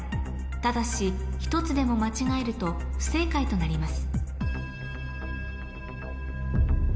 ただし１つでも間違えると不正解となります